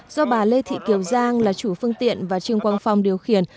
do bà lê thị kiều giang là chủ phương tiện và trường quang phòng điều khiển